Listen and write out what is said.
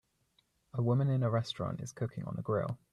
A woman in a restaurant is cooking on a grill.